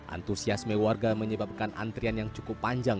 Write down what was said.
antusiasme warga menyebabkan antrian yang cukup panjang